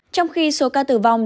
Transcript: trong khi số ca tử vong